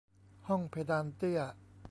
ห้องเพดานเตี้ย